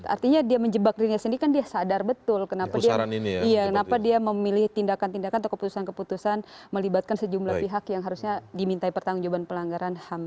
artinya dia menjebak dirinya sendiri kan dia sadar betul kenapa dia memilih tindakan tindakan atau keputusan keputusan melibatkan sejumlah pihak yang harusnya dimintai pertanggung jawaban pelanggaran ham